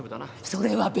それは別。